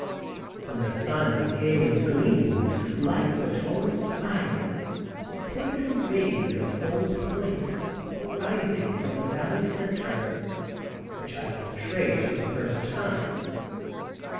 When the sun in hailing gleam lights a tall spire, supporting a ring of gold points arising from the valley center, which I now trace for the first time.